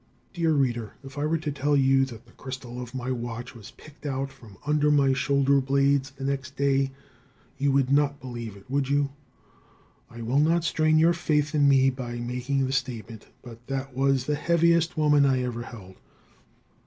] Dear reader, if I were to tell you that the crystal of my watch was picked out from under my shoulder blades the next day, you would not believe it, would you? I will not strain your faith in me by making the statement, but that was the heaviest woman I ever held.